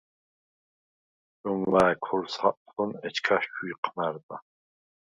შომვა̄̈ჲ ქორს ხაწხჷნ, ეჩქას ჩუ იჴმა̈რდა.